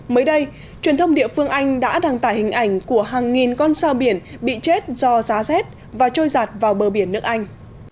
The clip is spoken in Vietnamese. mới đây truyền thông địa phương anh đã đăng tải hình ảnh của hàng nghìn con sao biển bị chết do giá rét và trôi giạt vào bờ biển nước anh